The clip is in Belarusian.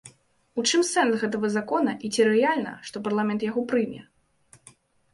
У чым сэнс гэтага закона і ці рэальна, што парламент яго прыме?